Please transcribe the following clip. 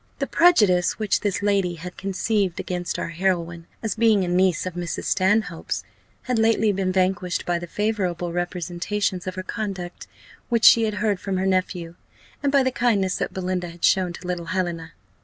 The prejudice which this lady had conceived against our heroine, as being a niece of Mrs. Stanhope's, had lately been vanquished by the favourable representations of her conduct which she had heard from her nephew, and by the kindness that Belinda had shown to little Helena.